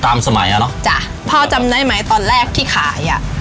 สมัยอ่ะเนอะจ้ะพ่อจำได้ไหมตอนแรกที่ขายอ่ะ